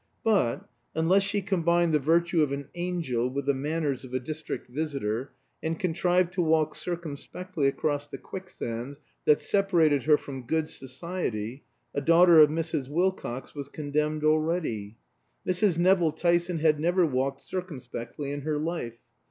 But, unless she combined the virtue of an angel with the manners of a district visitor, and contrived to walk circumspectly across the quicksands that separated her from "good society," a daughter of Mrs. Wilcox was condemned already. Mrs. Nevill Tyson had never walked circumspectly in her life.